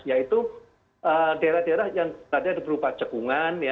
yaitu daerah daerah yang tadinya berupa cekungan